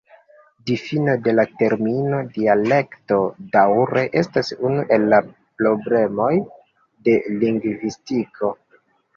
Difino de la termino "dialekto" daŭre estas unu el la problemoj de lingvistiko.